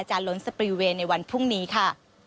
ล้นสปรีเวย์ในวันพรุ่งนี้ค่ะ